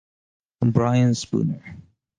Brian Spooner.